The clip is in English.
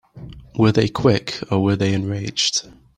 Were they quick or were they enraged?